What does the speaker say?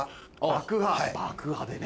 爆破でね。